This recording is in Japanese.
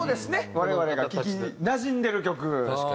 我々が聴きなじんでる曲。